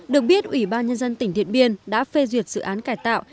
được biết ủy ban nhân dân tỉnh điện biên đã phê duyệt dự án cải tạo